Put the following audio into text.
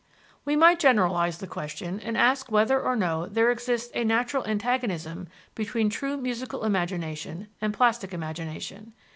We might generalize the question and ask whether or no there exists a natural antagonism between true musical imagination and plastic imagination.